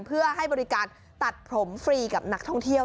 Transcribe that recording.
เพื่อให้บริการตัดผมฟรีกับนักท่องเที่ยว